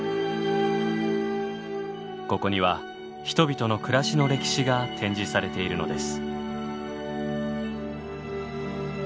ここには人々の暮らしの歴史が展示されているのです。